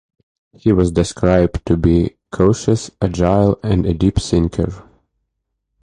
He was described to be cautious, agile, and a deep thinker.